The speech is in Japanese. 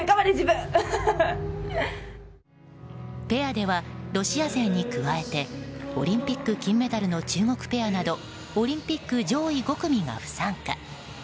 ペアではロシア勢に加えてオリンピック金メダルの中国ペアなどオリンピック上位５組が不参加。